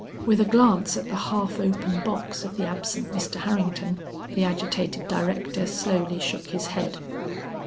With a glance at the half open box of the absent Mr. Harrington, the agitated director slowly shook his head.